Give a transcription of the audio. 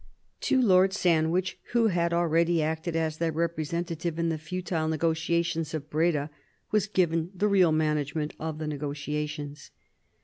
To Lord Sandwich, who had already acted as their representative in the futile negotiations of Breda, was given the real management of the negotiations.